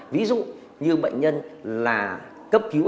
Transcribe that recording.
ví dụ như bệnh nhân là cấp cứu